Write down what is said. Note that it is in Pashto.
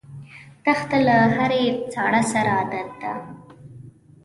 دښته له هرې ساړه سره عادت ده.